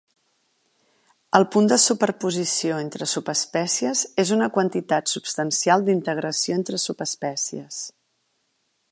El punt de superposició entre subespècies és una quantitat substancial d'integració entre subespècies.